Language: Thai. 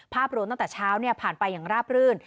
ภาพรวมตั้งแต่เช้าผ่านไปอย่างราบรื่น